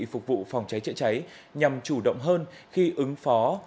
phục vụ phòng cháy chữa cháy nhằm chủ động hơn khi ứng phó